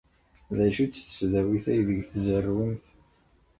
D acu-tt tesdawit aydeg tzerrwemt?